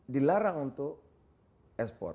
dilarang untuk ekspor